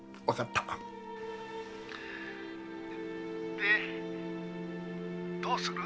☎でどうする？